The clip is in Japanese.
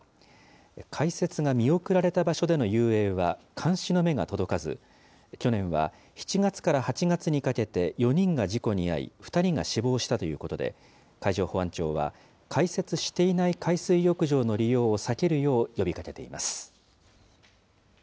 開設が見送られた場所での遊泳は監視の目が届かず、去年は７月から８月にかけて４人が事故に遭い、２人が死亡したということで、海上保安庁は、開設していない海水浴場の利用を避けるよう呼びかけています。